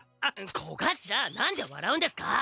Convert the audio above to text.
小頭何でわらうんですか！